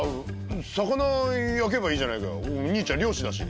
魚焼けばいいじゃないか兄ちゃん漁師だし。